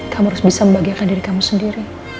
kamu harus bisa membahagiakan diri kamu sendiri